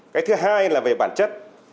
cái thứ hai là về bản chất